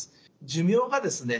寿命がですね